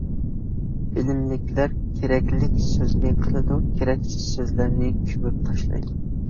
بىلىملىكلەر كېرەكلىك سۆزنى قىلىدۇ، كېرەكسىز سۆزلەرنى كۆمۈپ تاشلايدۇ.